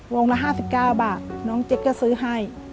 ละ๕๙บาทน้องเจ๊กก็ซื้อให้